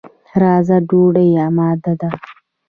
راځه، ډوډۍ اماده ده.